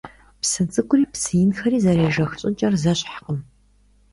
Псы цӀыкӀури псы инхэри зэрежэх щӀыкӀэр зэщхькъым.